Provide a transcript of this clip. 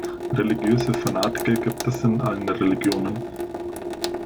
Religiöse Fanatiker gibt es in allen Religionen.